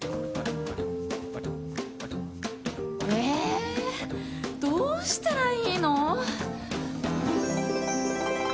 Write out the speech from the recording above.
えー、どうしたらいいの？